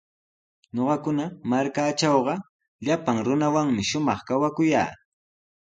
Ñuqakuna markaatrawqa llapan runawanmi shumaq kawakuyaa.